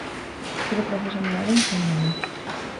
Zure proposamenaren zain gaude!